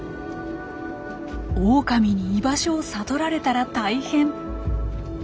オオカミに居場所を悟られたら大変。